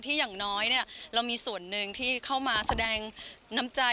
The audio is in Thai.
อย่างน้อยเรามีส่วนหนึ่งที่เข้ามาแสดงน้ำใจ